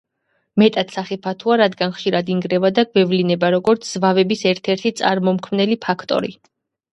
მეტად სახიფათოა, რადგან ხშირად ინგრევა და გვევლინება როგორც ზვავების ერთ-ერთი წარმომქმნელი ფაქტორი.